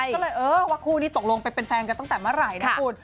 ก็เลยเออว่าคู่นี้ตกลงไปเป็นแฟนกันตั้งแต่เมื่อไหร่นะคุณ